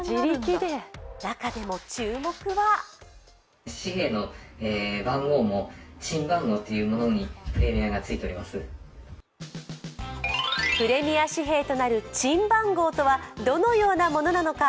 中でも注目はプレミア紙幣となる珍番号とは、どのようなものなのか。